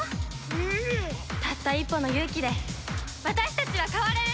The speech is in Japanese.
たった一歩の勇気で私たちは変われる！